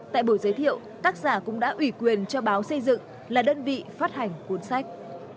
tại buổi giới thiệu tác giả cũng đã ủy quyền cho báo xây dựng là đơn vị phát hành cuốn sách